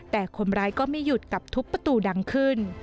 แต่คนร้ายก็ไม่หยุดกับทุบประตูดังขึ้น